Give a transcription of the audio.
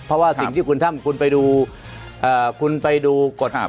เพราะว่าสิ่งที่คุณทำคุณไปดู